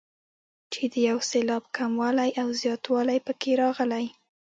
چې د یو سېلاب کموالی او زیاتوالی پکې راغلی.